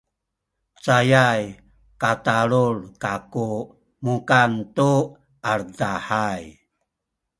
cayay katalul kaku mukan tu aledahay